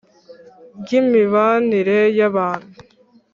ry'imibanire y'abantu.